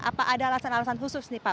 apa ada alasan alasan khusus nih pak